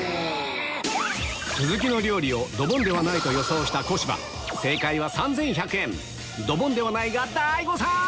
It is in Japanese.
スズキの料理ドボンではないと予想した小芝ドボンではないが大誤算‼